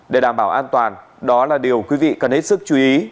để đảm bảo an toàn đó là điều quý vị cần hết sức chú ý